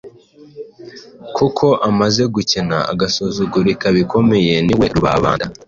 kuko amaze gukena agasuzugurika bikomeye" niwe rubabanda